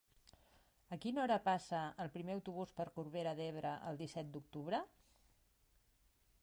A quina hora passa el primer autobús per Corbera d'Ebre el disset d'octubre?